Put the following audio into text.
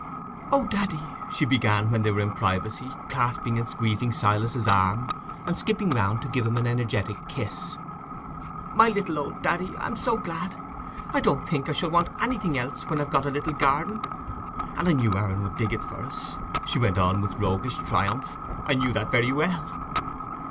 "O daddy!" she began, when they were in privacy, clasping and squeezing Silas's arm, and skipping round to give him an energetic kiss. "My little old daddy! I'm so glad. I don't think I shall want anything else when we've got a little garden; and I knew Aaron would dig it for us," she went on with roguish triumph—"I knew that very well."